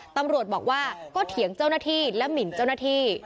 ตำรวจบอกว่าก็เถียงเจ้าหน้าที่และหมินเจ้าหน้าที่